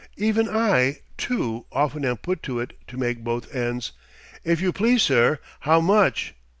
Even I, too, often am put to it to make both ends " "If you please, sir how much?"